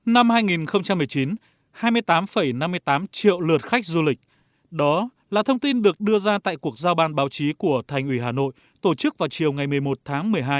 năm hai nghìn một mươi chín hai mươi tám năm mươi tám triệu lượt khách du lịch đó là thông tin được đưa ra tại cuộc giao ban báo chí của thành ủy hà nội tổ chức vào chiều ngày một mươi một tháng một mươi hai